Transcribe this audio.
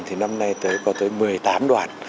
thì năm nay có tới một mươi tám đoàn